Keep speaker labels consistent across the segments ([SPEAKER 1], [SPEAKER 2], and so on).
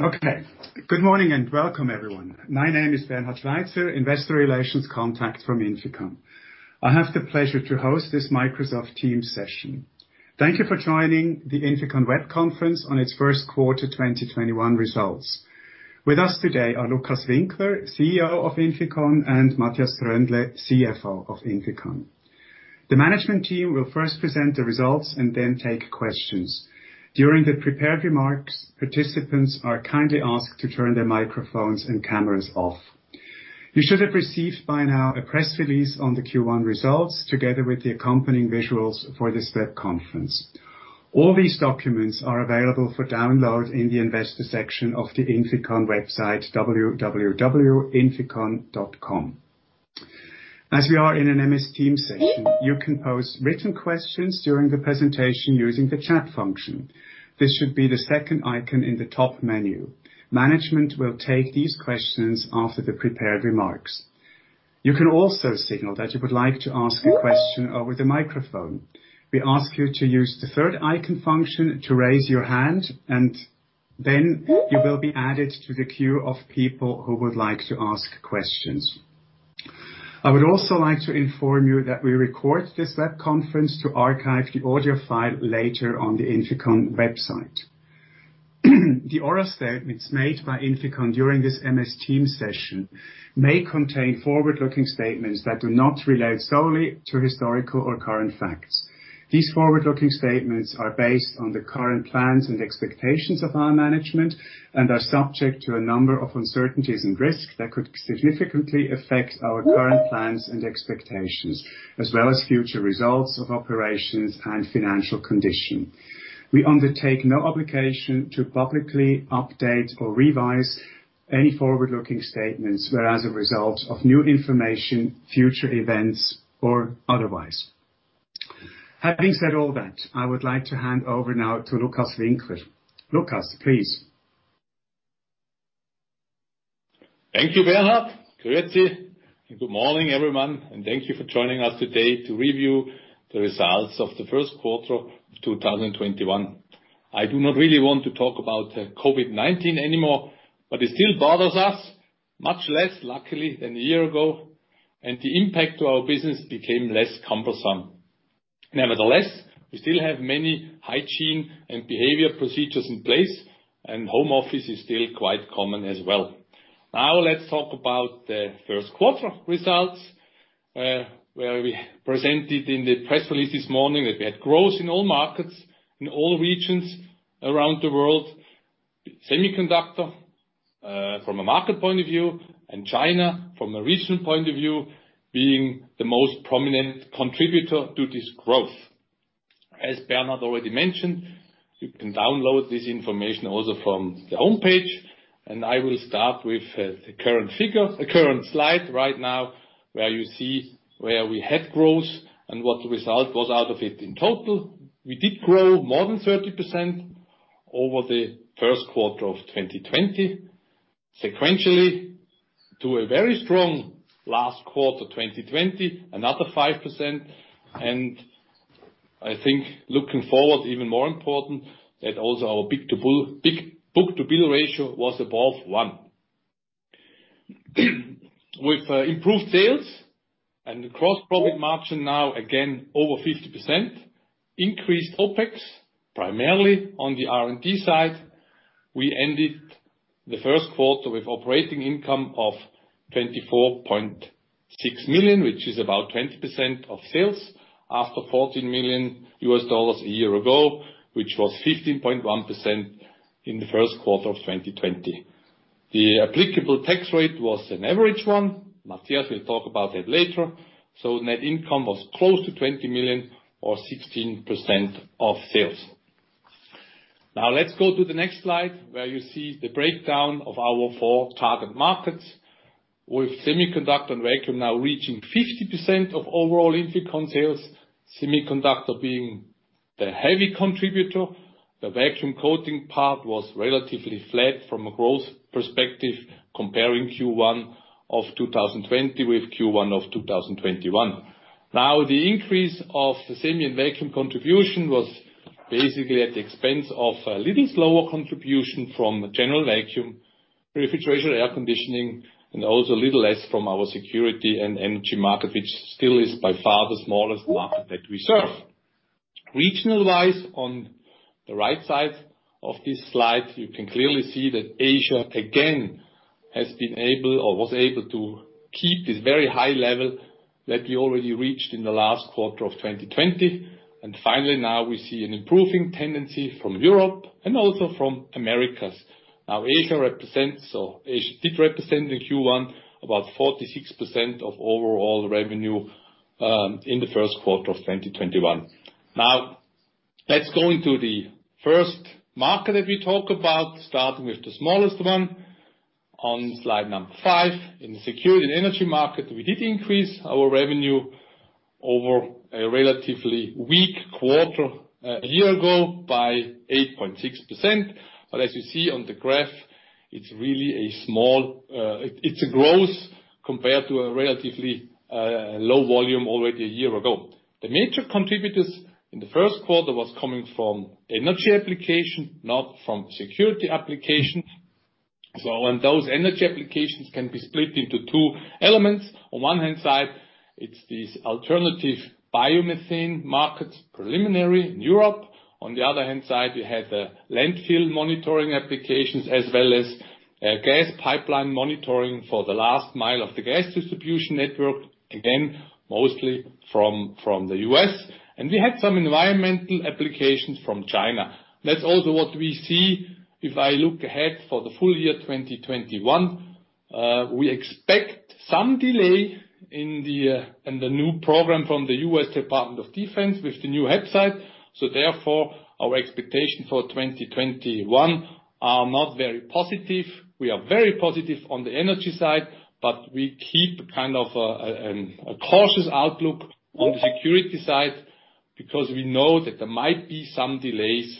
[SPEAKER 1] Okay. Good morning and welcome everyone. My name is Bernhard Schweizer, Investor Relations contact from INFICON. I have the pleasure to host this Microsoft Teams session. Thank you for joining the INFICON web conference on its first quarter 2021 results. With us today are Lukas Winkler, CEO of INFICON, and Matthias Tröndle, CFO of INFICON. The management team will first present the results and then take questions. During the prepared remarks, participants are kindly asked to turn their microphones and cameras off. You should have received by now a press release on the Q1 results, together with the accompanying visuals for this web conference. All these documents are available for download in the investor section of the INFICON website, www.inficon.com. As we are in an MS Teams session, you can pose written questions during the presentation using the chat function. This should be the second icon in the top menu. Management will take these questions after the prepared remarks. You can also signal that you would like to ask a question over the microphone. We ask you to use the third icon function to raise your hand, and then you will be added to the queue of people who would like to ask questions. I would also like to inform you that we record this web conference to archive the audio file later on the INFICON website. The oral statements made by INFICON during this MS Teams session may contain forward-looking statements that do not relate solely to historical or current facts. These forward-looking statements are based on the current plans and expectations of our management and are subject to a number of uncertainties and risks that could significantly affect our current plans and expectations, as well as future results of operations and financial condition. We undertake no obligation to publicly update or revise any forward-looking statements as a result of new information, future events, or otherwise. Having said all that, I would like to hand over now to Lukas Winkler. Lukas, please.
[SPEAKER 2] Thank you, Bernhard. Grüezi. Good morning, everyone, and thank you for joining us today to review the results of the first quarter of 2021. I do not really want to talk about COVID-19 anymore, but it still bothers us. Much less, luckily, than a year ago. The impact to our business became less cumbersome. Nevertheless, we still have many hygiene and behavior procedures in place. Home office is still quite common as well. Now let's talk about the first quarter results, where we presented in the press release this morning that we had growth in all markets, in all regions around the world. Semiconductor, from a market point of view, and China, from a regional point of view, being the most prominent contributor to this growth. As Bernhard already mentioned, you can download this information also from the homepage, and I will start with the current slide right now, where you see where we had growth and what the result was out of it in total. We did grow more than 30% over the first quarter of 2020, sequentially to a very strong last quarter 2020, another 5%. I think looking forward, even more important that also our book-to-bill ratio was above one. With improved sales and the gross profit margin now again over 50%, increased OpEx, primarily on the R&D side. We ended the first quarter with operating income of $24.6 million, which is about 20% of sales, after $14 million a year ago, which was 15.1% in the first quarter of 2020. The applicable tax rate was an average one. Matthias will talk about that later. Net income was close to $20 million, or 16% of sales. Let's go to the next slide, where you see the breakdown of our four target markets. With Semiconductor and vacuum now reaching 50% of overall INFICON sales, Semiconductor being the heavy contributor. The Vacuum Coating part was relatively flat from a growth perspective comparing Q1 2020 with Q1 2021. The increase of the Semi and Vacuum contribution was basically at the expense of a little slower contribution from General Vacuum, Refrigeration, Air Conditioning, and also a little less from our Security & Energy market, which still is by far the smallest market that we serve. Regional-wise, on the right side of this slide, you can clearly see that Asia again has been able or was able to keep this very high level that we already reached in the last quarter of 2020. Finally, now we see an improving tendency from Europe and also from Americas. Asia did represent in Q1 about 46% of overall revenue in the first quarter of 2021. Let's go into the first market that we talk about, starting with the smallest one on slide number five. In the Security & Energy market, we did increase our revenue over a relatively weak quarter a year ago by 8.6%. As you see on the graph. It's really a growth compared to a relatively low volume already a year ago. The major contributors in the first quarter was coming from Energy application, not from Security applications. Those Energy applications can be split into two elements. On one hand side, it's these alternative biomethane markets, primarily in Europe. On the other hand side we have the landfill monitoring applications as well as gas pipeline monitoring for the last mile of the gas distribution network, again, mostly from the U.S. We had some environmental applications from China. That's also what we see. If I look ahead for the full year 2021, we expect some delay in the new program from the U.S. Department of Defense with the new website. Therefore, our expectations for 2021 are not very positive. We are very positive on the Energy side, but we keep kind of a cautious outlook on the Security side because we know that there might be some delays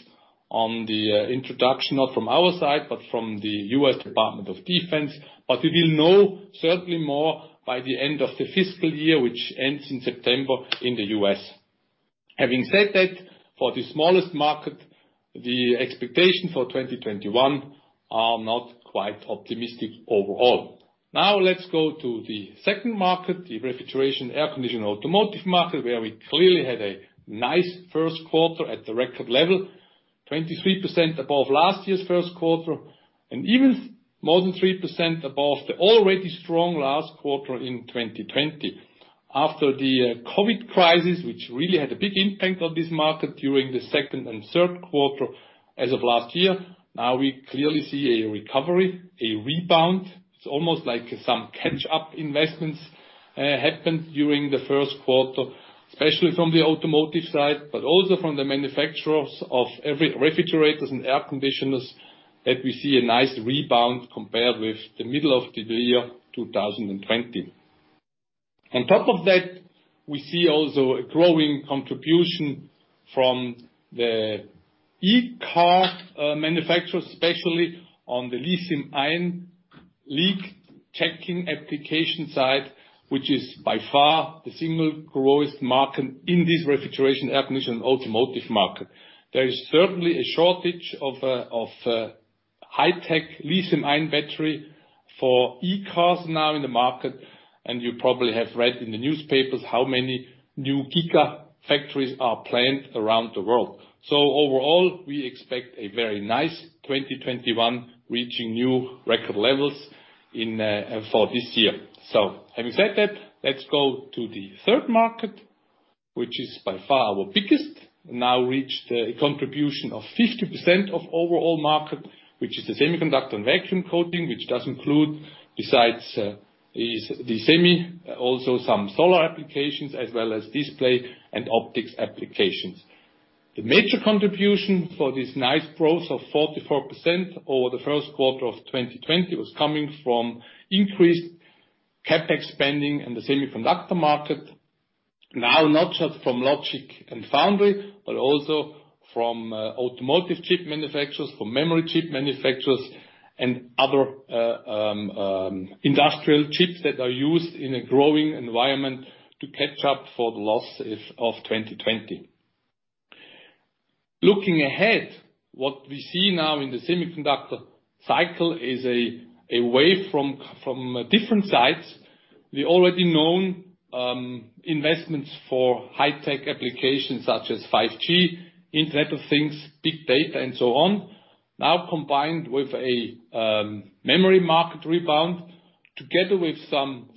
[SPEAKER 2] on the introduction, not from our side, but from the U.S. Department of Defense. We will know certainly more by the end of the fiscal year, which ends in September in the U.S. Having said that, for the smallest market, the expectation for 2021 are not quite optimistic overall. Let's go to the second market, the Refrigeration, Air Conditioning, and Automotive market, where we clearly had a nice first quarter at the record level, 23% above last year's first quarter, and even more than 3% above the already strong last quarter in 2020. After the COVID-19 crisis, which really had a big impact on this market during the second and third quarter as of last year. We clearly see a recovery, a rebound. It's almost like some catch-up investments happened during the first quarter, especially from the Automotive side, but also from the manufacturers of every refrigerator and air conditioner that we see a nice rebound compared with the middle of the year 2020. On top of that, we see also a growing contribution from the e-car manufacturers, especially on the lithium-ion leak checking application side, which is by far the single greatest market in this Refrigeration, Air Conditioning, and Automotive market. There is certainly a shortage of high-tech lithium-ion battery for e-cars now in the market. You probably have read in the newspapers how many new gigafactories are planned around the world. Overall, we expect a very nice 2021, reaching new record levels for this year. Having said that, let's go to the third market, which is by far our biggest. Now reached a contribution of 50% of overall market, which is the Semiconductor & Vacuum Coating, which does include, besides the semi, also some solar applications as well as display and optics applications. The major contribution for this nice growth of 44% over the first quarter of 2020 was coming from increased CapEx spending in the Semiconductor market. Now, not just from logic and foundry, but also from Automotive chip manufacturers, from memory chip manufacturers, and other industrial chips that are used in a growing environment to catch up for the losses of 2020. Looking ahead, what we see now in the Semiconductor cycle is a wave from different sides. The already known investments for high-tech applications such as 5G, Internet of Things, big data, and so on, now combined with a memory market rebound together with some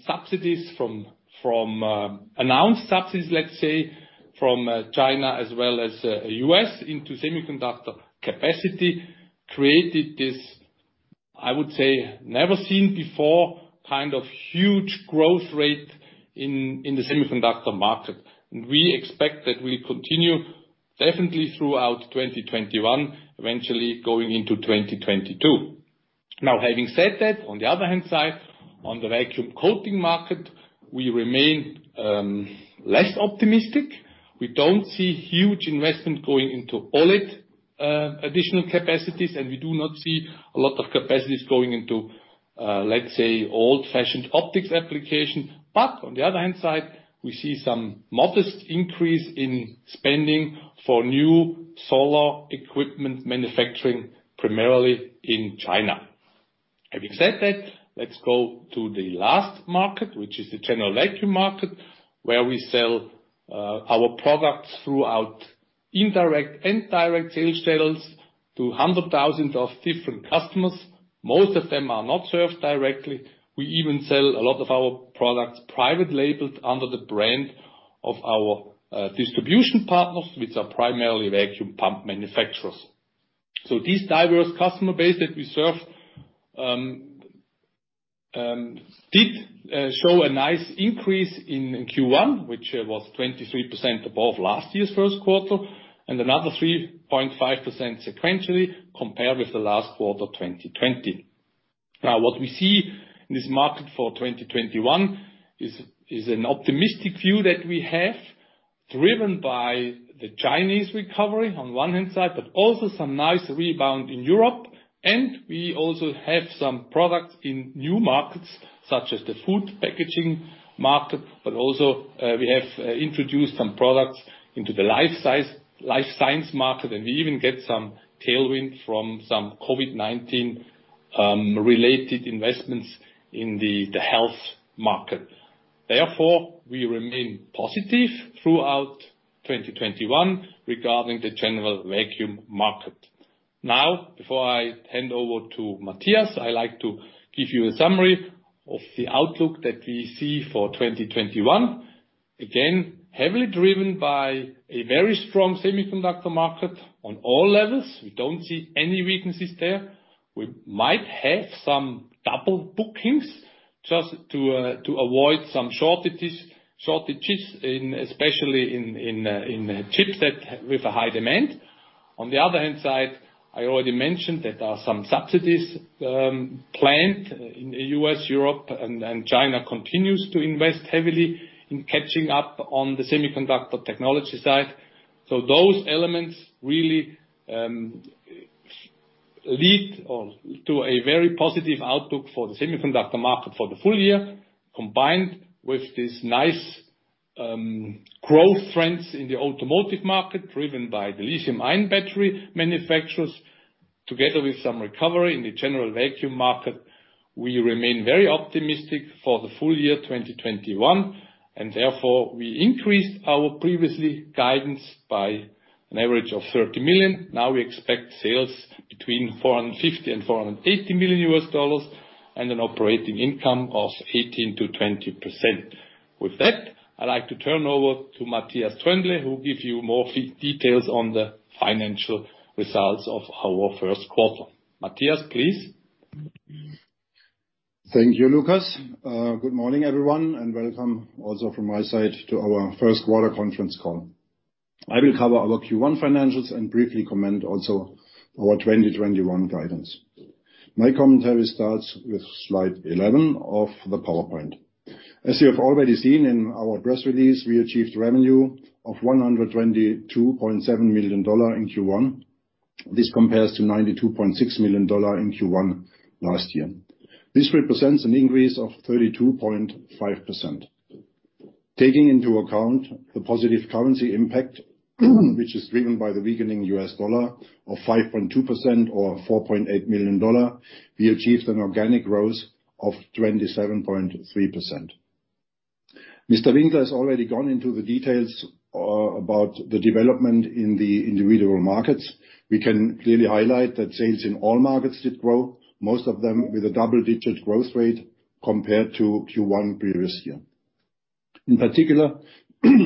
[SPEAKER 2] Announced subsidies, let's say, from China as well as U.S. into Semiconductor capacity created this, I would say, never-before-seen huge growth rate in the Semiconductor market. We expect that will continue definitely throughout 2021, eventually going into 2022. Now, having said that, on the other hand side, on the Vacuum Coating market, we remain less optimistic. We don't see huge investment going into OLED additional capacities, and we do not see a lot of capacities going into, let's say, old-fashioned optics application. On the other hand side, we see some modest increase in spending for new solar equipment manufacturing, primarily in China. Having said that, let's go to the last market, which is the General Vacuum market, where we sell our products throughout indirect and direct sales channels to hundred thousands of different customers. Most of them are not served directly. We even sell a lot of our products private labeled under the brand of our distribution partners, which are primarily vacuum pump manufacturers. This diverse customer base that we serve did show a nice increase in Q1, which was 23% above last year's first quarter, and another 3.5% sequentially compared with the last quarter 2020. What we see in this market for 2021 is an optimistic view that we have. Driven by the Chinese recovery on one hand, but also some nice rebound in Europe. We also have some products in new markets such as the food packaging market, but also we have introduced some products into the life science market. We even get some tailwind from some COVID-19 related investments in the health market. Therefore, we remain positive throughout 2021 regarding the General Vacuum market. Before I hand over to Matthias, I like to give you a summary of the outlook that we see for 2021. Again, heavily driven by a very strong Semiconductor market on all levels. We don't see any weaknesses there. We might have some double bookings just to avoid some shortages, especially in a chipset with a high demand. On the other hand side, I already mentioned there are some subsidies planned in the U.S., Europe, and China continues to invest heavily in catching up on the Semiconductor technology side. Those elements really lead to a very positive outlook for the Semiconductor market for the full year, combined with this nice growth trends in the Automotive market, driven by the lithium-ion battery manufacturers, together with some recovery in the General Vacuum market. We remain very optimistic for the full year 2021, and therefore we increased our previously guidance by an average of $30 million. Now we expect sales between $450 million and $480 million and an operating income of 18%-20%. With that, I'd like to turn over to Matthias Tröndle, who give you more details on the financial results of our first quarter. Matthias, please.
[SPEAKER 3] Thank you, Lukas. Good morning, everyone, and welcome also from my side to our first quarter conference call. I will cover our Q1 financials and briefly comment also our 2021 guidance. My commentary starts with slide 11 of the PowerPoint. As you have already seen in our press release, we achieved revenue of $122.7 million in Q1. This compares to $92.6 million in Q1 last year. This represents an increase of 32.5%. Taking into account the positive currency impact, which is driven by the weakening U.S. dollar of 5.2% or $4.8 million, we achieved an organic growth of 27.3%. Mr. Winkler has already gone into the details about the development in the individual markets. We can clearly highlight that sales in all markets did grow, most of them with a double-digit growth rate compared to Q1 previous year. In particular,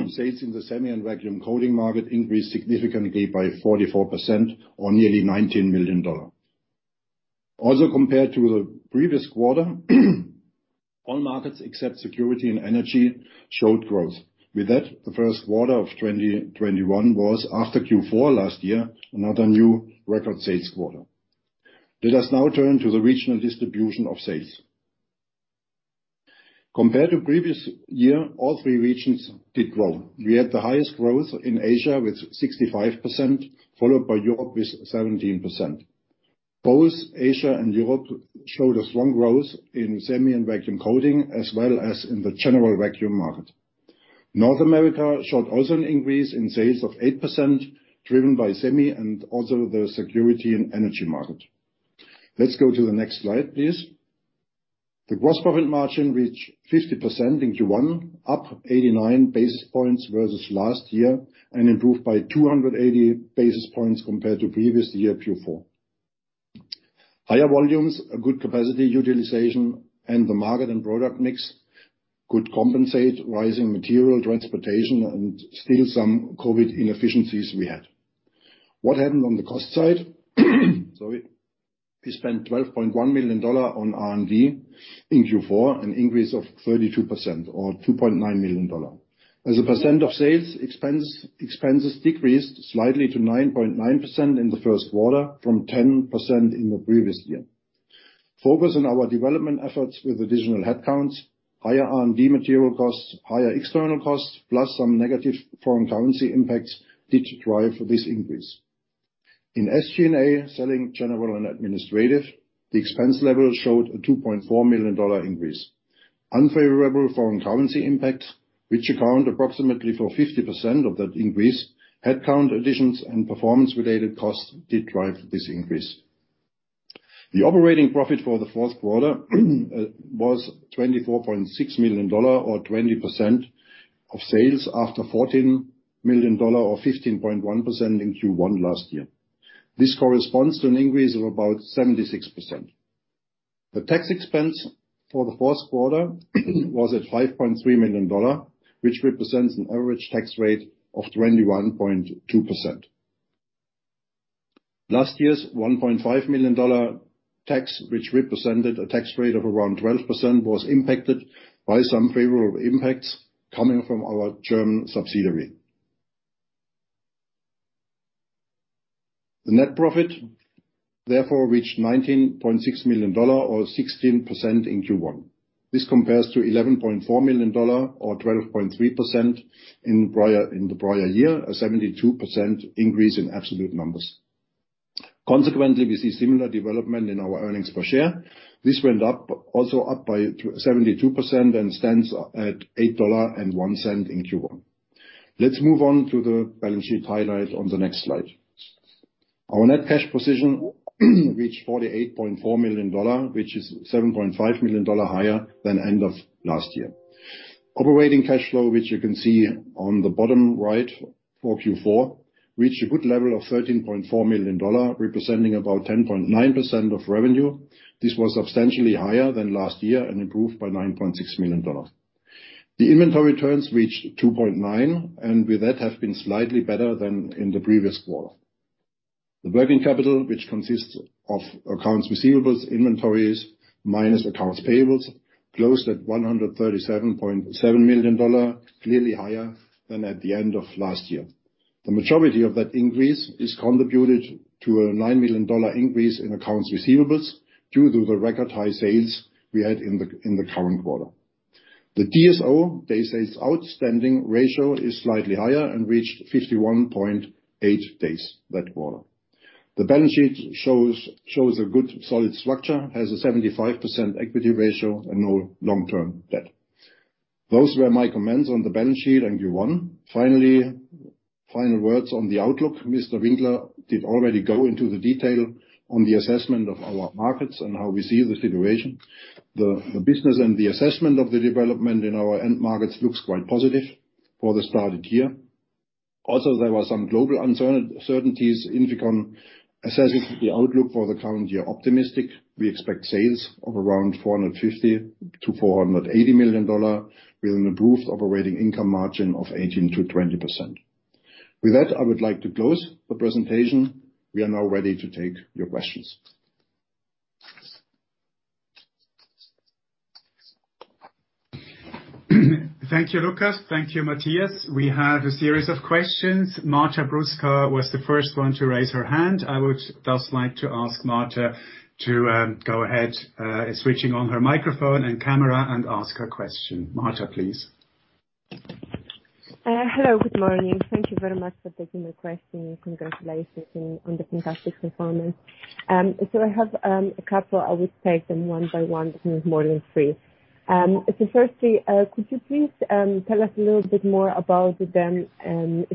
[SPEAKER 3] sales in the Semi & Vacuum Coating market increased significantly by 44% or nearly $19 million. Also, compared to the previous quarter, all markets except Security & Energy showed growth. With that, the first quarter of 2021 was after Q4 last year, another new record sales quarter. Let us now turn to the regional distribution of sales. Compared to previous year, all three regions did grow. We had the highest growth in Asia with 65%, followed by Europe with 17%. Both Asia and Europe showed a strong growth in Semi & Vacuum Coating, as well as in the General Vacuum market. North America showed also an increase in sales of 8%, driven by Semi and also the Security & Energy market. Let's go to the next slide, please. The gross profit margin reached 50% in Q1, up 89 basis points versus last year and improved by 280 basis points compared to previous year Q4. Higher volumes, a good capacity utilization, and the market and product mix could compensate rising material transportation and still some COVID inefficiencies we had. What happened on the cost side? Sorry. We spent $12.1 million on R&D in Q4, an increase of 32% or $2.9 million. As a percent of sales, expenses decreased slightly to 9.9% in the first quarter from 10% in the previous year. Focus on our development efforts with additional headcounts, higher R&D material costs, higher external costs, plus some negative foreign currency impacts, did drive this increase. In SG&A, selling general and administrative, the expense level showed a $2.4 million increase. Unfavorable foreign currency impact, which account approximately for 50% of that increase, headcount additions, and performance-related costs did drive this increase. The operating profit for the first quarter was $24.6 million, or 20% of sales after $14 million or 15.1% in Q1 last year. This corresponds to an increase of about 76%. The tax expense for the first quarter was at $5.3 million, which represents an average tax rate of 21.2%. Last year's $1.5 million tax, which represented a tax rate of around 12%, was impacted by some favorable impacts coming from our German subsidiary. The net profit therefore reached $19.6 million, or 16% in Q1. This compares to $11.4 million, or 12.3% in the prior year, a 72% increase in absolute numbers. We see similar development in our earnings per share. This went up also up by 72% and stands at $8.01 in Q1. Let's move on to the balance sheet highlight on the next slide. Our net cash position reached $48.4 million, which is $7.5 million higher than end of last year. Operating cash flow, which you can see on the bottom right for Q4, reached a good level of $13.4 million, representing about 10.9% of revenue. This was substantially higher than last year and improved by $9.6 million. The inventory turns reached 2.9, and with that, have been slightly better than in the previous quarter. The working capital, which consists of accounts receivables, inventories, minus accounts payables, closed at $137.7 million, clearly higher than at the end of last year. The majority of that increase is contributed to a $9 million increase in accounts receivables due to the record high sales we had in the current quarter. The DSO, days sales outstanding ratio is slightly higher and reached 51.8 days that quarter. The balance sheet shows a good solid structure, has a 75% equity ratio and no long-term debt. Those were my comments on the balance sheet and Q1. Final words on the outlook. Mr. Winkler did already go into the detail on the assessment of our markets and how we see the situation. The business and the assessment of the development in our end markets looks quite positive for the started year. There were some global uncertainties. INFICON assesses the outlook for the current year optimistic. We expect sales of around $450 million-$480 million, with an improved operating income margin of 18%-20%. With that, I would like to close the presentation. We are now ready to take your questions.
[SPEAKER 1] Thank you, Lukas. Thank you, Matthias. We have a series of questions. Marta Bruska was the first one to raise her hand. I would thus like to ask Marta to go ahead, switching on her microphone and camera and ask her question. Marta, please.
[SPEAKER 4] Hello. Good morning. Thank you very much for taking my question. Congratulations on the fantastic performance. I have a couple. I will take them one by one since more than three. Firstly, could you please tell us a little bit more about the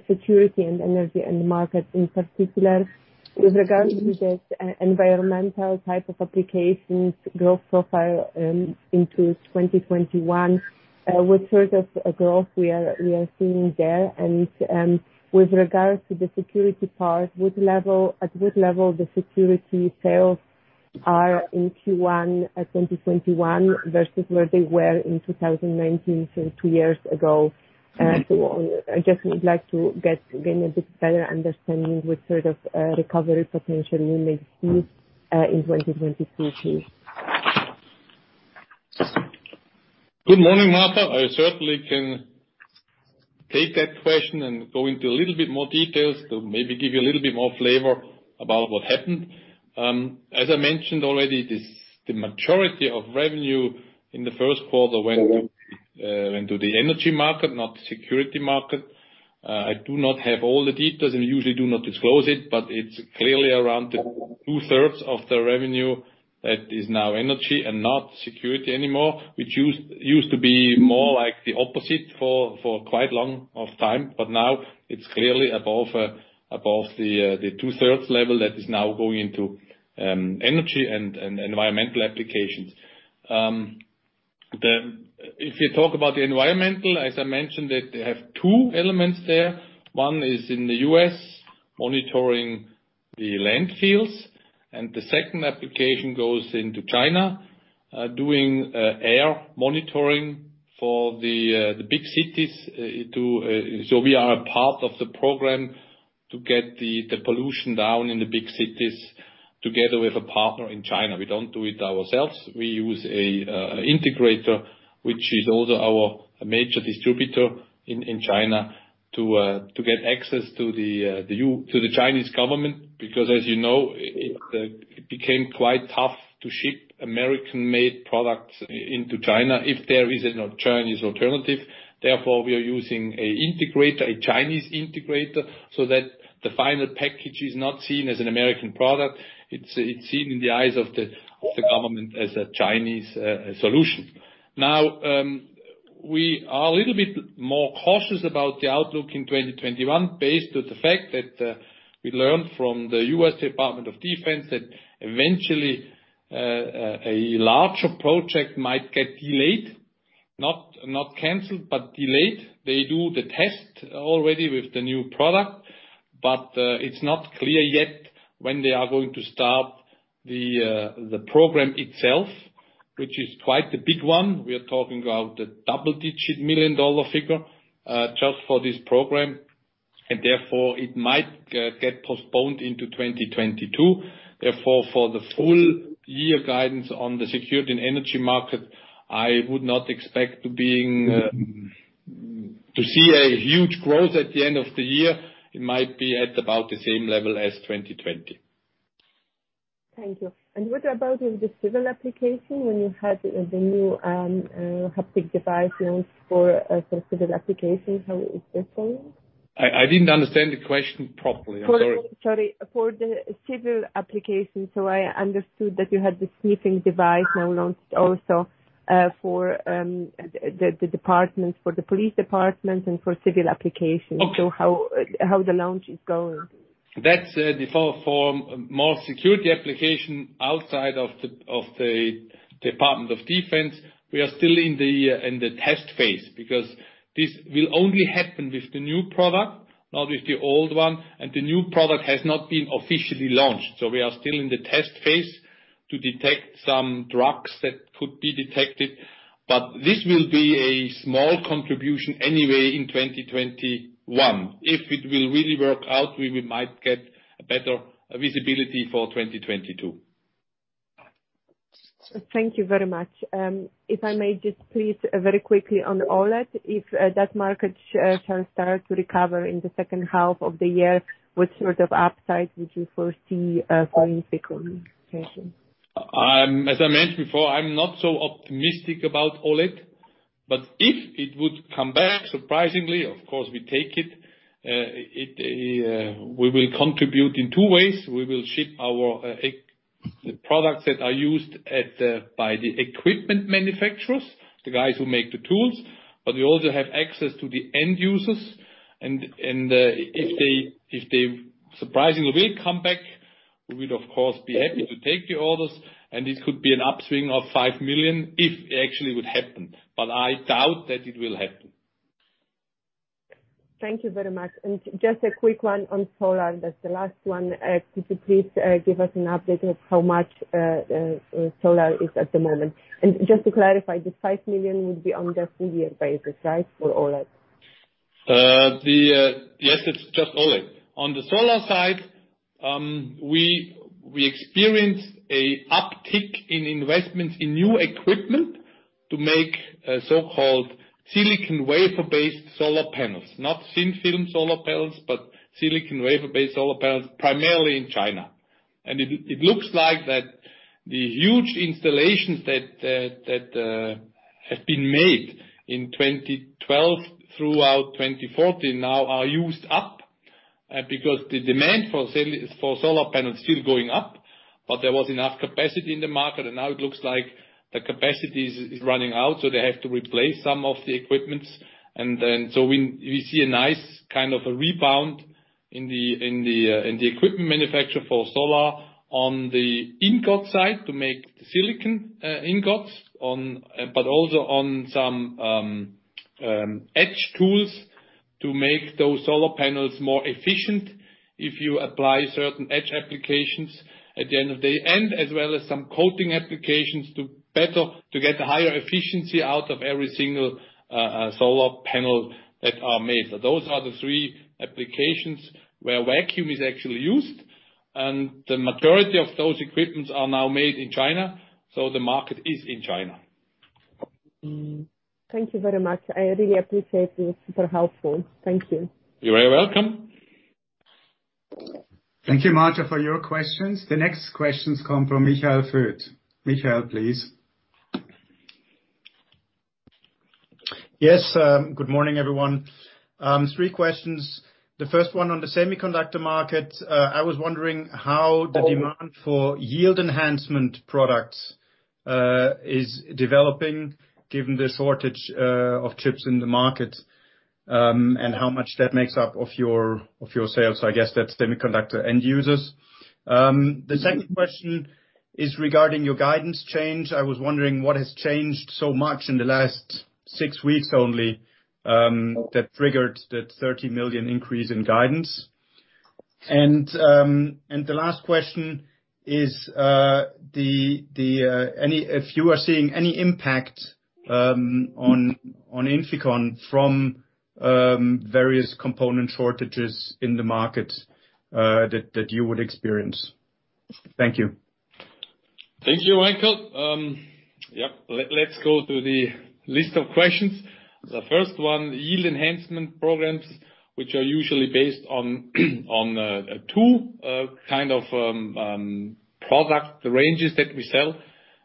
[SPEAKER 4] Security & Energy market in particular with regards to the environmental type of applications growth profile, into 2021? What sort of growth we are seeing there and, with regards to the Security part, at what level the Security sales are in Q1 2021 versus where they were in 2019, so two years ago? I just would like to gain a bit better understanding what sort of recovery potential we may see, in 2022.
[SPEAKER 2] Good morning, Marta. I certainly can take that question and go into a little bit more details to maybe give you a little bit more flavor about what happened. As I mentioned already, the majority of revenue in the first quarter went into the Energy market, not Security market. I do not have all the details and usually do not disclose it, but it's clearly around the two-thirds of the revenue that is now Energy and not Security anymore, which used to be more like the opposite for quite long of time. Now it's clearly above the two-thirds level that is now going into Energy and environmental applications. If you talk about the environmental, as I mentioned, they have two elements there. One is in the U.S. monitoring the landfills, and the second application goes into China, doing air monitoring for the big cities. We are a part of the program to get the pollution down in the big cities together with a partner in China. We don't do it ourselves. We use an integrator, which is also our major distributor in China to get access to the Chinese government because as you know, it became quite tough to ship American-made products into China if there is a Chinese alternative. Therefore, we are using a integrator, a Chinese integrator, so that the final package is not seen as an American product. It's seen in the eyes of the government as a Chinese solution. We are a little bit more cautious about the outlook in 2021, based on the fact that we learned from the U.S. Department of Defense that eventually a larger project might get delayed. Not canceled but delayed. They do the test already with the new product, but it is not clear, yet when they are going to start the program itself, which is quite a big one. We are talking about a double-digit million-dollar figure, just for this program, and therefore it might get postponed into 2022. Therefore, for the full year guidance on the Security & Energy market, I would not expect to being To see a huge growth at the end of the year, it might be at about the same level as 2020.
[SPEAKER 4] Thank you. What about in the civil application when you had the new sniffing device for civil applications, how is this going?
[SPEAKER 2] I didn't understand the question properly. I'm sorry.
[SPEAKER 4] Sorry. For the civil application. I understood that you had the sniffing device now launched also for the departments, for the police department and for civil application.
[SPEAKER 2] Okay.
[SPEAKER 4] How the launch is going?
[SPEAKER 2] That's for more Security application outside of the Department of Defense. We are still in the test phase because this will only happen with the new product, not with the old one, and the new product has not been officially launched. We are still in the test phase to detect some drugs that could be detected. This will be a small contribution anyway in 2021. If it will really work out, we might get a better visibility for 2022.
[SPEAKER 4] Thank you very much. If I may just please, very quickly on OLED, if that market shall start to recover in the second half of the year, what sort of upside would you foresee for INFICON?
[SPEAKER 2] As I mentioned before, I'm not so optimistic about OLED, but if it would come back surprisingly, of course, we take it. We will contribute in two ways. We will ship our products that are used by the equipment manufacturers, the guys who make the tools, but we also have access to the end users, and if they surprisingly will come back, we would, of course, be happy to take the orders, and it could be an upswing of $5 million if it actually would happen. I doubt that it will happen.
[SPEAKER 4] Thank you very much. Just a quick one on solar. That's the last one. Could you please give us an update of how much solar is at the moment? Just to clarify, the $5 million would be on the full year basis, right? For OLED.
[SPEAKER 2] Yes, it's just OLED. On the solar side, we experienced an uptick in investment in new equipment to make so-called silicon wafer-based solar panels. Not thin-film solar panels, but silicon wafer-based solar panels, primarily in China. It looks like that the huge installations that have been made in 2012 throughout 2014 now are used up because the demand for solar panels is still going up. There was enough capacity in the market, and now it looks like the capacity is running out, so they have to replace some of the equipment. We see a nice kind of a rebound in the equipment manufacture for solar on the ingot side to make silicon ingots. Also, on some etch tools to make those solar panels more efficient if you apply certain etch applications at the end of the day. As well as some coating applications to get higher efficiency out of every single solar panel that are made. Those are the three applications where vacuum is actually used. The majority of those equipments are now made in China. The market is in China.
[SPEAKER 4] Thank you very much. I really appreciate this. Super helpful. Thank you.
[SPEAKER 2] You're very welcome.
[SPEAKER 1] Thank you, Marta, for your questions. The next questions come from Michael Foeth. Michael, please.
[SPEAKER 5] Yes. Good morning, everyone. Three questions. The first one on the Semiconductor market. I was wondering how the demand for yield enhancement products is developing given the shortage of chips in the market. How much that makes up of your sales. I guess that's Semiconductor end users. The second question is regarding your guidance change. I was wondering what has changed so much in the last six weeks only that triggered that $30 million increase in guidance. The last question is if you are seeing any impact on INFICON from various component shortages in the market that you would experience. Thank you.
[SPEAKER 2] Thank you, Michael. Yep. Let's go through the list of questions. The first one, yield enhancement programs, which are usually based on two kind of product ranges that we sell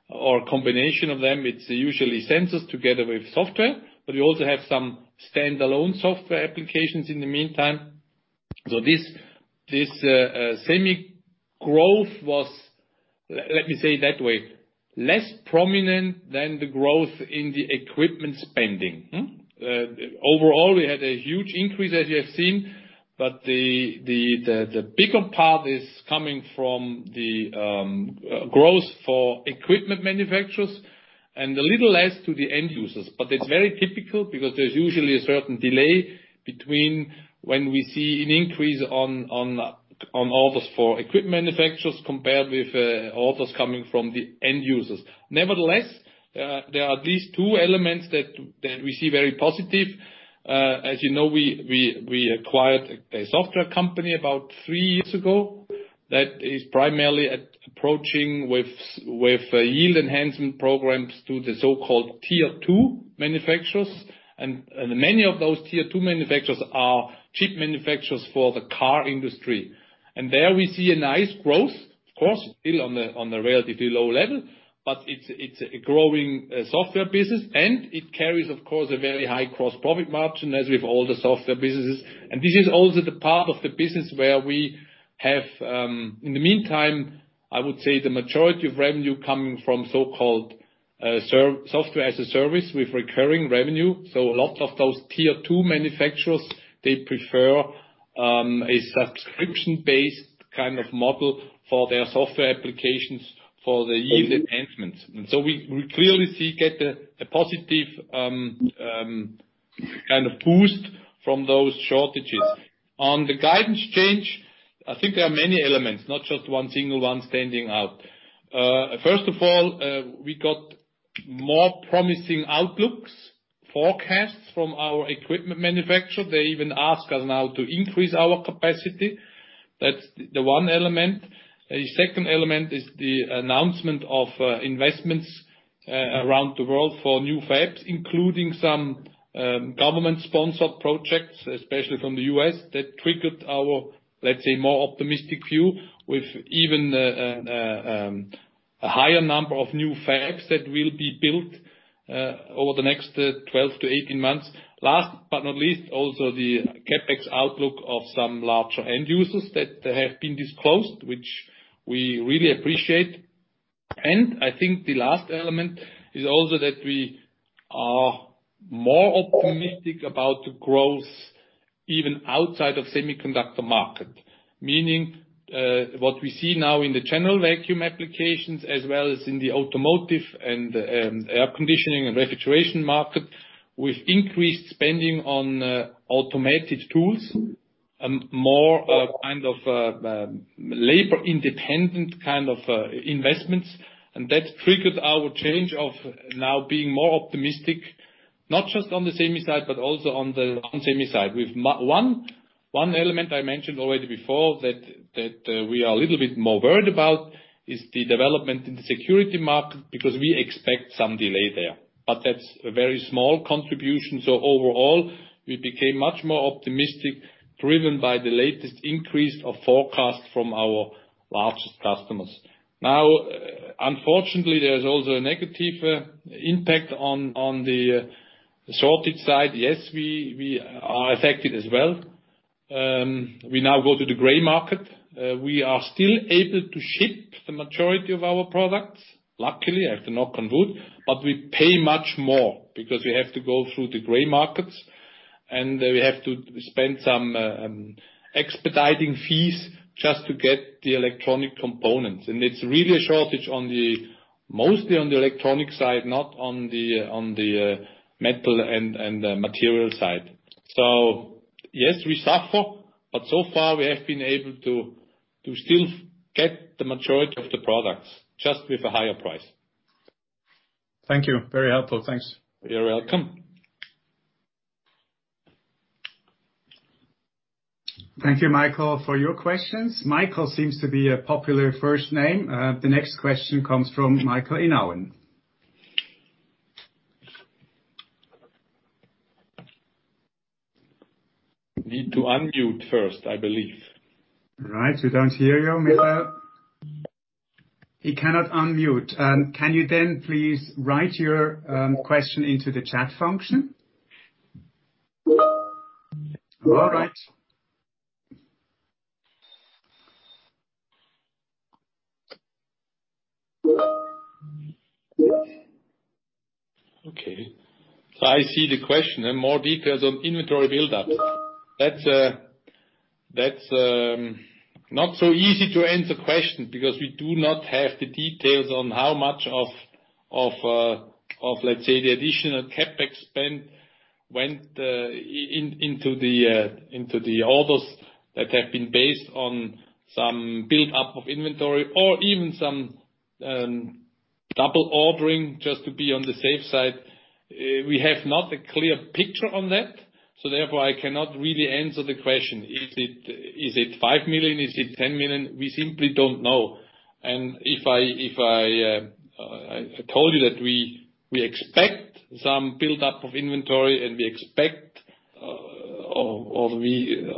[SPEAKER 2] or a combination of them. It's usually sensors together with software. We also have some standalone software applications in the meantime. This Semi growth was, let me say it that way, less prominent than the growth in the equipment spending. Overall, we had a huge increase as you have seen, but the bigger part is coming from the growth for equipment manufacturers and a little less to the end users. It's very typical because there's usually a certain delay between when we see an increase on orders for equipment manufacturers compared with orders coming from the end users. Nevertheless, there are at least two elements that we see very positive. As you know, we acquired a software company about three years ago. That is primarily approaching with yield enhancement programs to the so-called Tier 2 manufacturers. Many of those Tier 2 manufacturers are chip manufacturers for the car industry. There we see a nice growth. Of course, still on a relatively low level, but it's a growing software business, and it carries, of course, a very high gross profit margin, as with all the software businesses. This is also the part of the business where we have, in the meantime, I would say, the majority of revenue coming from so-called software as a service with recurring revenue. A lot of those Tier 2 manufacturers, they prefer a subscription-based kind of model for their software applications for the yield enhancements. We clearly see, get a positive kind of boost from those shortages. On the guidance change, I think there are many elements, not just one single one, standing out. First of all, we got more promising outlooks, forecasts from our equipment manufacturer. They even ask us now to increase our capacity. That's the one element. A second element is the announcement of investments around the world for new fabs, including some government-sponsored projects, especially from the U.S. That triggered our, let's say, more optimistic view with even a higher number of new fabs that will be built over the next 12-18 months. Last but not least, also the CapEx outlook of some larger end users that have been disclosed, which we really appreciate. I think the last element is also that we are more optimistic about the growth even outside of Semiconductor market. Meaning, what we see now in the General Vacuum applications as well as in the Automotive, Air Conditioning, and Refrigeration market, with increased spending on automated tools and more kind of labor-independent kind of investments. That triggered our change of now being more optimistic, not just on the Semi side, but also on the non-Semi side. One element I mentioned already before that we are a little bit more worried about is the development in the Security market, because we expect some delay there. That's a very small contribution. Overall, we became much more optimistic, driven by the latest increase of forecast from our largest customers. Now, unfortunately, there's also a negative impact on the shortage side. Yes, we are affected as well. We now go to the gray market. We are still able to ship the majority of our products, luckily, I have to knock on wood. We pay much more, because we have to go through the gray markets, and we have to spend some expediting fees just to get the electronic components. It's really a shortage mostly on the electronic side, not on the metal and the material side. Yes, we suffer, but so far, we have been able to still get the majority of the products, just with a higher price.
[SPEAKER 5] Thank you. Very helpful. Thanks.
[SPEAKER 2] You're welcome.
[SPEAKER 1] Thank you, Michael, for your questions. Michael seems to be a popular first name. The next question comes from Michael Inauen.
[SPEAKER 2] Need to unmute first, I believe.
[SPEAKER 1] Right. We don't hear you, Michael. He cannot unmute. Can you then please write your question into the chat function? All right.
[SPEAKER 2] Okay. I see the question, more details on inventory build-ups. That's not so easy to answer a question because we do not have the details on how much of, let's say, the additional CapEx spend went into the orders that have been based on some build-up of inventory or even some double ordering just to be on the safe side. We have not a clear picture on that, therefore, I cannot really answer the question. Is it $5 million? Is it $10 million? We simply don't know. If I told you that we expect some build-up of inventory and we expect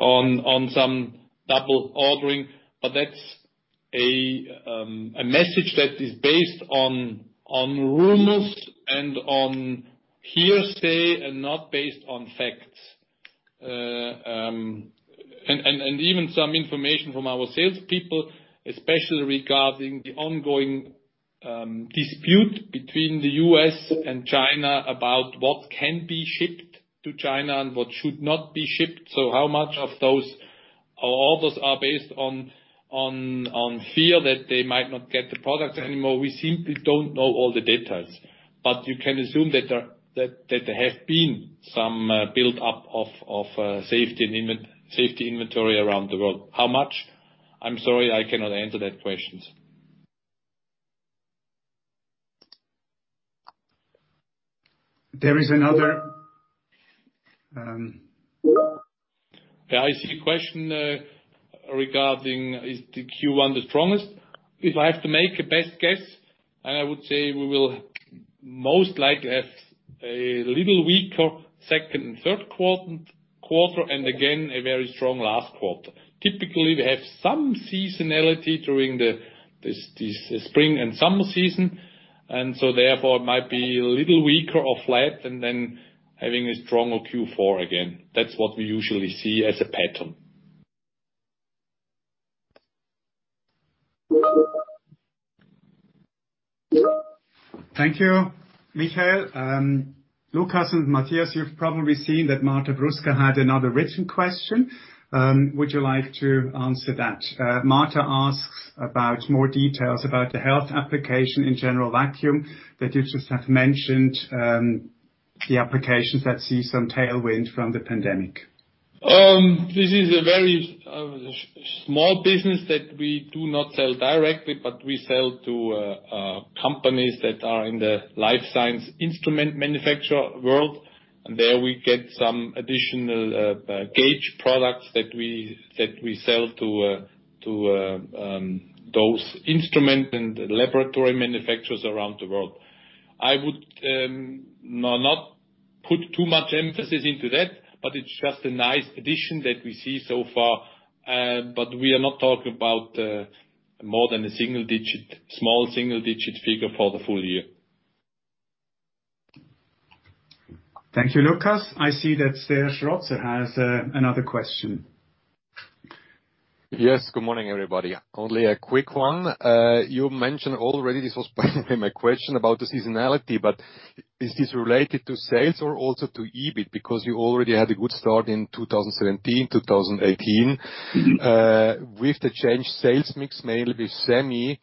[SPEAKER 2] on some double ordering, but that's a message that is based on rumors and on hearsay and not based on facts. Even some information from our salespeople, especially regarding the ongoing dispute between the U.S. and China about what can be shipped to China and what should not be shipped. How much of those orders are based on fear that they might not get the products anymore? We simply don't know all the details. You can assume that there have been some build-up of safety inventory around the world. How much? I'm sorry, I cannot answer that question.
[SPEAKER 1] There is another.
[SPEAKER 2] Yeah, I see a question regarding, is the Q1 the strongest? If I have to make a best guess, I would say we will most likely have a little weaker second and third quarter, and again, a very strong last quarter. Typically, we have some seasonality during the spring and summer season, and so therefore it might be a little weaker or flat, and then having a stronger Q4 again. That's what we usually see as a pattern.
[SPEAKER 1] Thank you, Michael. Lukas and Matthias, you've probably seen that Marta Bruska had another written question. Would you like to answer that? Marta asks about more details about the health application in General Vacuum that you just have mentioned, the applications that see some tailwind from the pandemic.
[SPEAKER 2] This is a very small business that we do not sell directly, but we sell to companies that are in the life science instrument manufacture world. There we get some additional gauge products that we sell to those instrument and laboratory manufacturers around the world. I would not put too much emphasis into that, but it is just a nice addition that we see so far. We are not talking about more than a small single-digit figure for the full year.
[SPEAKER 1] Thank you, Lukas. I see that Serge Rotzer has another question.
[SPEAKER 6] Yes. Good morning, everybody. Only a quick one. You mentioned already, this was basically my question about the seasonality. Is this related to sales or also to EBIT? You already had a good start in 2017, 2018, with the change sales mix mainly with semi.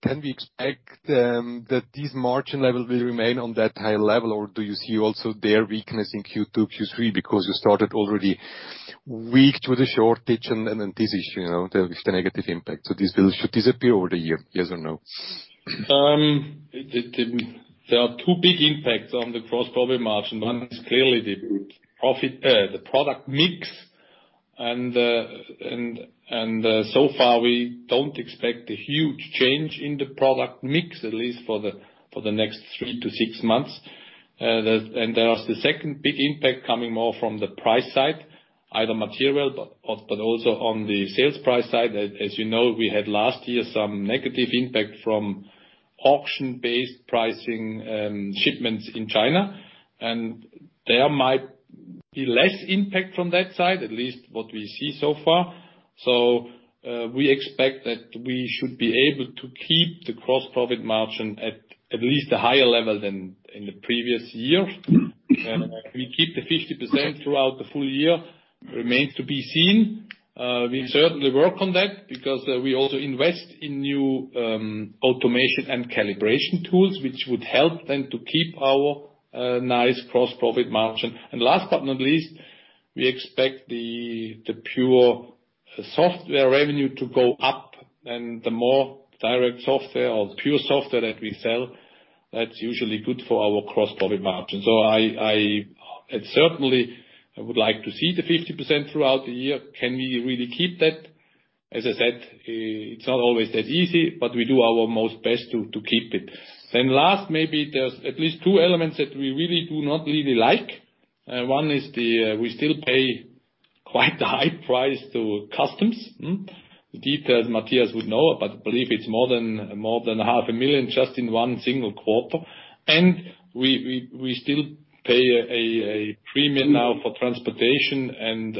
[SPEAKER 6] Can we expect that this margin level will remain on that high level? Do you see also their weakness in Q2, Q3? You started already weak with the shortage and then this issue with the negative impact. This should disappear over the year, yes or no?
[SPEAKER 2] There are two big impacts on the gross profit margin. One is clearly the product mix. So far, we don't expect a huge change in the product mix, at least for the next three to six months. There is a second big impact coming more from the price side, either material, but also on the sales price side. As you know, we had last year some negative impact from auction-based pricing shipments in China. There might be less impact from that side, at least what we see so far. We expect that we should be able to keep the gross profit margin at least a higher level than in the previous year. Can we keep the 50% throughout the full year? Remains to be seen. We certainly work on that because we also invest in new automation and calibration tools, which would help then to keep our nice gross profit margin. Last but not least, we expect the pure software revenue to go up, and the more direct software or the pure software that we sell, that's usually good for our gross profit margin. I certainly would like to see the 50% throughout the year. Can we really keep that? As I said, it's not always that easy, but we do our most best to keep it. Last, maybe there's at least two elements that we really do not really like. One is we still pay quite a high price to customs. The details, Matthias would know but believe it's more than half a million just in one single quarter. We still pay a premium now for transportation and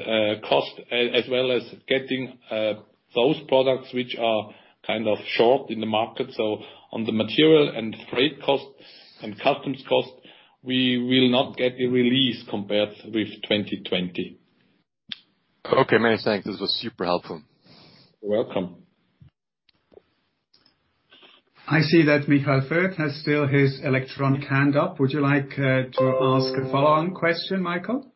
[SPEAKER 2] cost, as well as getting those products which are kind of short in the market. On the material and freight costs and customs costs, we will not get a release compared with 2020.
[SPEAKER 6] Okay, many thanks. This was super helpful.
[SPEAKER 2] You're welcome.
[SPEAKER 1] I see that Michael Foeth has still his electronic hand up. Would you like to ask a follow-on question, Michael?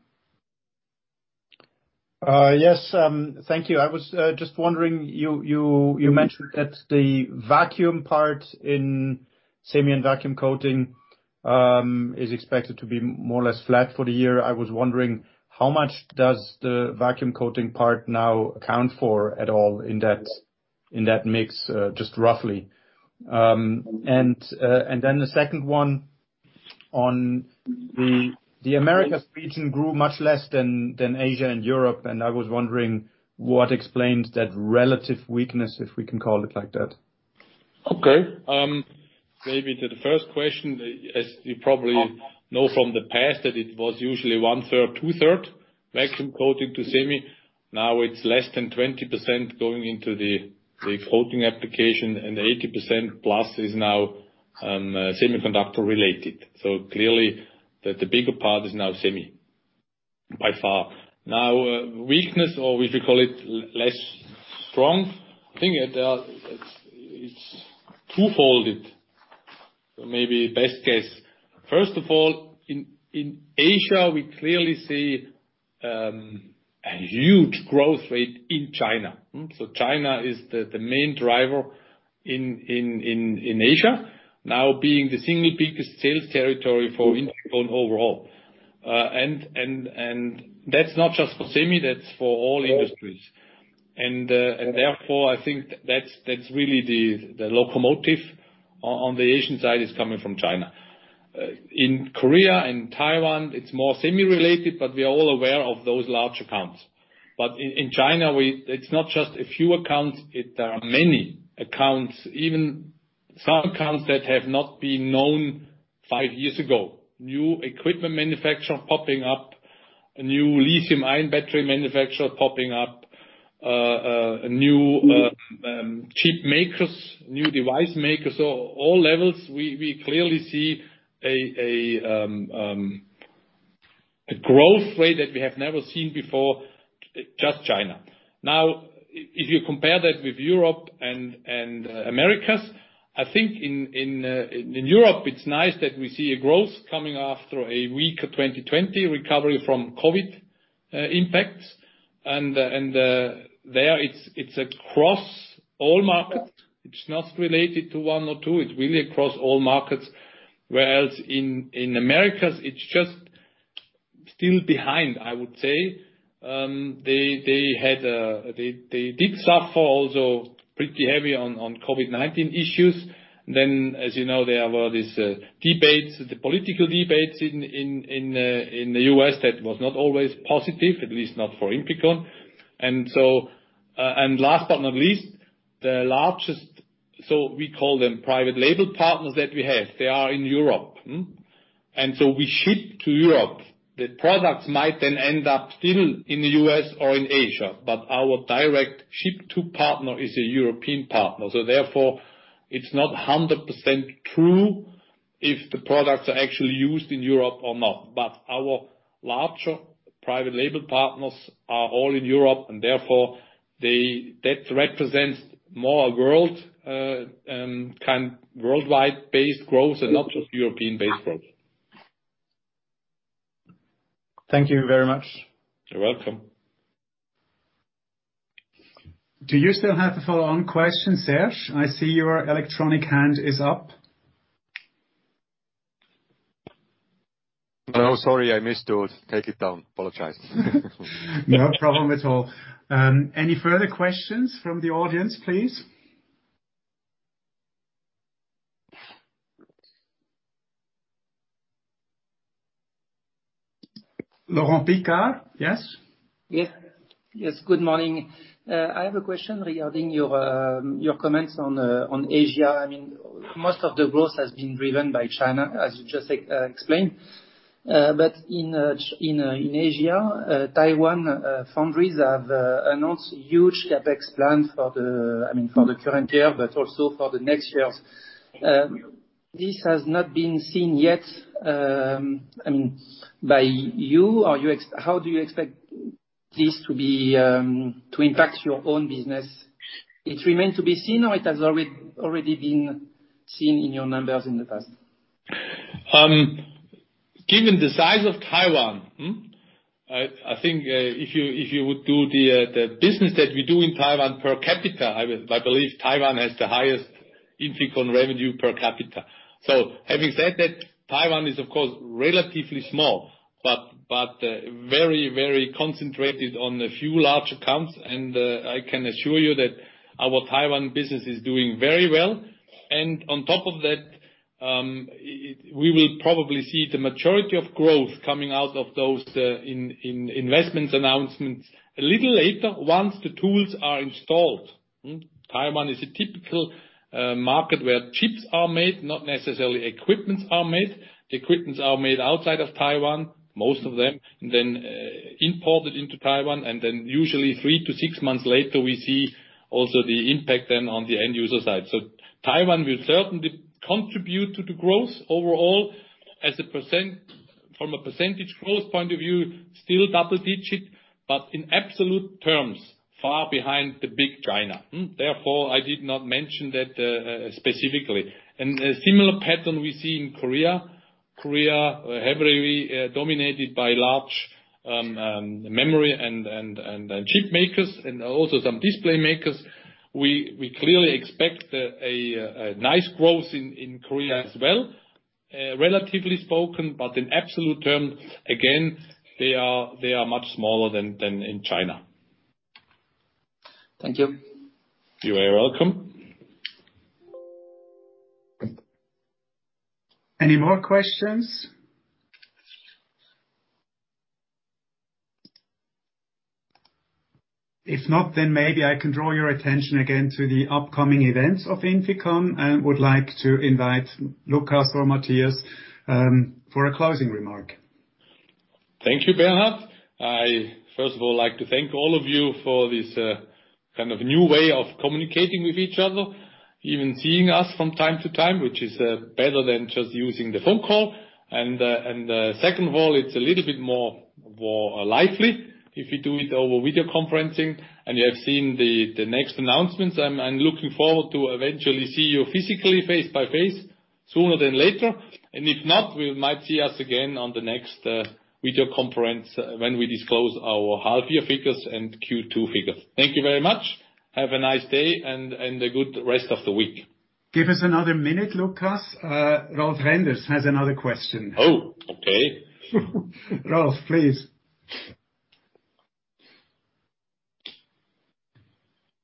[SPEAKER 5] Yes. Thank you. I was just wondering, you mentioned that the vacuum part in Semi & Vacuum Coating is expected to be more or less flat for the year. I was wondering, how much does the Vacuum Coating part now account for at all in that mix, just roughly? The second one on the Americas region grew much less than Asia and Europe, and I was wondering what explains that relative weakness, if we can call it like that.
[SPEAKER 2] Okay. Maybe to the first question, as you probably know from the past, that it was usually one-third, two-third Vacuum Coating to Semi. Now it's less than 20% going into the coating application, 80% plus is now Semiconductor related. Clearly, the bigger part is now semi, by far. Now, weakness or if you call it less strong thing, it's two-folded. First of all, in Asia, we clearly see a huge growth rate in China. China is the main driver in Asia, now being the single biggest sales territory for INFICON overall. That's not just for semi, that's for all industries. Therefore, I think that's really the locomotive on the Asian side is coming from China. In Korea and Taiwan, it's more semi-related, we are all aware of those large accounts. In China, it's not just a few accounts. There are many accounts, even some accounts that have not been known five years ago. New equipment manufacturer popping up, a new lithium-ion battery manufacturer popping up, new chip makers, new device makers. All levels, we clearly see a growth rate that we have never seen before, just China. If you compare that with Europe and Americas, I think in Europe, it's nice that we see a growth coming after a weaker 2020, recovery from COVID-19 impacts. There, it's across all markets. It's not related to one or two. It's really across all markets. Whereas in Americas, it's just still behind, I would say. They did suffer also pretty heavy on COVID-19 issues. As you know, there were these debates, the political debates in the U.S. that was not always positive, at least not for INFICON. Last but not least, the largest, so we call them private label partners that we have. They are in Europe. We ship to Europe. The products might then end up still in the U.S. or in Asia, but our direct ship-to partner is a European partner. It's not 100% true if the products are actually used in Europe or not. Our larger private label partners are all in Europe, and therefore, that represents more worldwide based growth and not just European-based growth.
[SPEAKER 5] Thank you very much.
[SPEAKER 2] You're welcome.
[SPEAKER 1] Do you still have a follow-on question, Serge? I see your electronic hand is up.
[SPEAKER 6] No, sorry, I missed it. Take it down. Apologize.
[SPEAKER 1] No problem at all. Any further questions from the audience, please? Edouard Picart? Yes.
[SPEAKER 7] Yes. Good morning. I have a question regarding your comments on Asia. Most of the growth has been driven by China, as you just explained. In Asia, Taiwan foundries have announced huge CapEx plans for the current year, but also for the next years. This has not been seen yet by you. How do you expect this to impact your own business? It remains to be seen, or it has already been seen in your numbers in the past?
[SPEAKER 2] Given the size of Taiwan, I think if you would do the business that we do in Taiwan per capita, I believe Taiwan has the highest INFICON revenue per capita. Having said that, Taiwan is, of course, relatively small, but very concentrated on a few large accounts. I can assure you that our Taiwan business is doing very well. On top of that, we will probably see the majority of growth coming out of those investment announcements a little later once the tools are installed. Taiwan is a typical market where chips are made, not necessarily equipments are made. Equipments are made outside of Taiwan, most of them, then imported into Taiwan, and then usually three to six months later, we see also the impact then on the end user side. Taiwan will certainly contribute to the growth overall. From a percentage growth point of view, still double digit, but in absolute terms, far behind the big China. Therefore, I did not mention that specifically. A similar pattern we see in Korea. Korea, heavily dominated by large memory and chip makers, and also some display makers. We clearly expect a nice growth in Korea as well, relatively spoken, but in absolute terms, again, they are much smaller than in China.
[SPEAKER 7] Thank you.
[SPEAKER 2] You are welcome.
[SPEAKER 1] Any more questions? If not, then maybe I can draw your attention again to the upcoming events of INFICON. I would like to invite Lukas or Matthias for a closing remark.
[SPEAKER 2] Thank you, Bernhard. First of all, I like to thank all of you for this new way of communicating with each other, even seeing us from time to time, which is better than just using the phone call. Second of all, it's a little bit more lively if we do it over video conferencing, and you have seen the next announcements. I'm looking forward to eventually see you physically face by face sooner than later. If not, we might see us again on the next video conference when we disclose our half year figures and Q2 figures. Thank you very much. Have a nice day and a good rest of the week.
[SPEAKER 1] Give us another minute, Lukas. Rolf Renders has another question.
[SPEAKER 2] Oh, okay.
[SPEAKER 1] Rolf, please.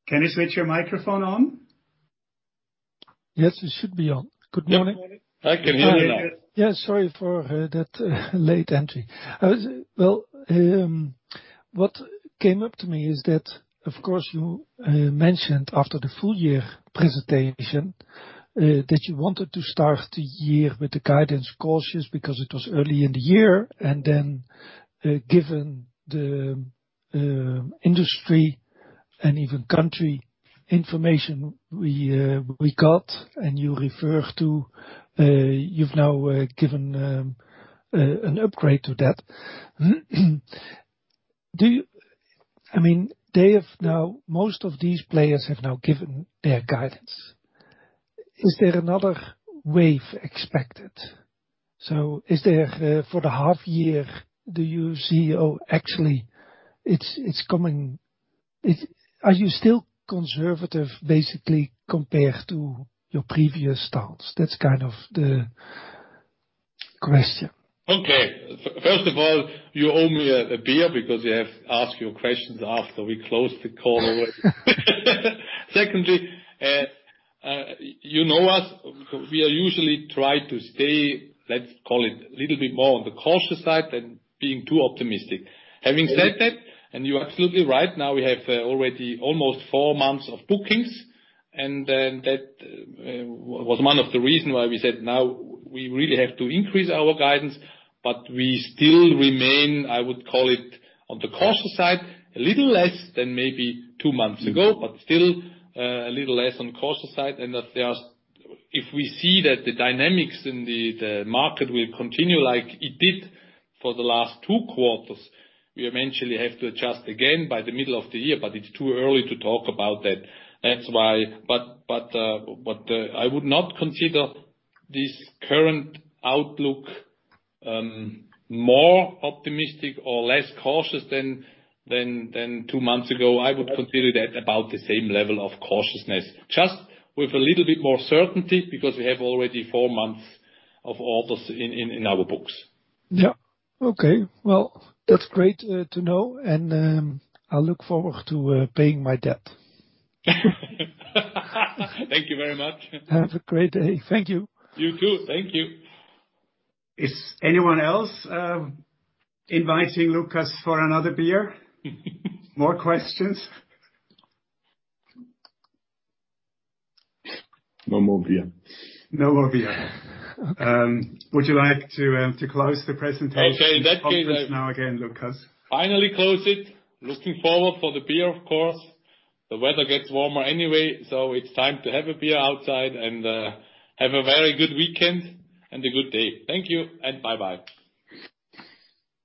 [SPEAKER 1] Can you switch your microphone on?
[SPEAKER 8] Yes, it should be on. Good morning.
[SPEAKER 2] I can hear you now.
[SPEAKER 8] Yeah, sorry for that late entry. What came up to me is that, of course, you mentioned after the full year presentation that you wanted to start the year with the guidance cautious because it was early in the year, and then given the industry and even country information we got, and you refer to, you've now given an upgrade to that. Most of these players have now given their guidance. Is there another wave expected? For the half year, do you see, actually it's coming? Are you still conservative, basically, compared to your previous stance? That's kind of the question.
[SPEAKER 2] Okay. First of all, you owe me a beer because you have asked your questions after we closed the call. Secondly, you know us. We are usually trying to stay, let's call it a little bit more on the cautious side than being too optimistic. Having said that, you're absolutely right, now we have already almost four months of bookings, that was one of the reason why we said, now we really have to increase our guidance, we still remain, I would call it, on the cautious side, a little less than maybe two months ago, still a little less on cautious side. If we see that the dynamics in the market will continue like it did for the last two quarters, we eventually have to adjust again by the middle of the year, it's too early to talk about that. That's why. I would not consider this current outlook more optimistic or less cautious than two months ago. I would consider that about the same level of cautiousness, just with a little bit more certainty, because we have already four months of orders in our books.
[SPEAKER 8] Yeah. Okay. Well, that's great to know. I look forward to paying my debt.
[SPEAKER 2] Thank you very much.
[SPEAKER 8] Have a great day. Thank you.
[SPEAKER 2] You too. Thank you.
[SPEAKER 1] Is anyone else inviting Lukas for another beer? More questions?
[SPEAKER 2] No more beer.
[SPEAKER 1] No more beer. Would you like to close the presentation now again, Lukas?
[SPEAKER 2] Finally, close it. Looking forward for the beer, of course. The weather gets warmer anyway, so it's time to have a beer outside and have a very good weekend and a good day. Thank you and bye-bye.